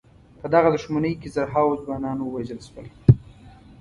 په دغه دښمنۍ کې زرهاوو ځوانان ووژل شول.